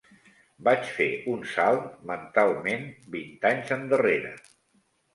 Vaig fer un salt, mentalment, vint anys endarrere